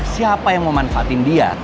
siapa yang mau manfaatin dia